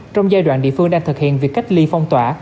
trong giai đoạn địa phương đang thực hiện việc cách ly phong tỏa